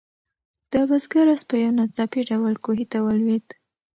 د بزګر آس په یو ناڅاپي ډول کوهي ته ولوېد.